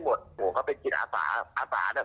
ว่าเป็นอย่างไรเจ้าหนี้อะไรอย่างนี้